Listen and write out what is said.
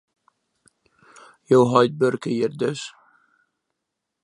Jo heit buorke hjir dus?